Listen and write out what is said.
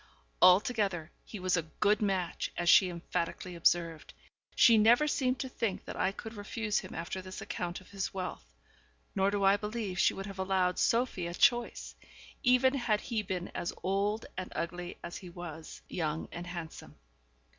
Altogether, he was a good match, as she emphatically observed. She never seemed to think that I could refuse him after this account of his wealth, nor do I believe she would have allowed Sophie a choice, even had he been as old and ugly as he was young and handsome.